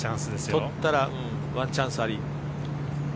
とったらワンチャンスあり。